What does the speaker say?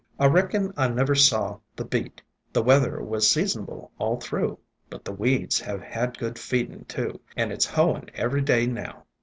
I reckon I never saw the beat. The weather was seasonable all through. But the weeds have had good feedin', too, and it 's hoein' every day now.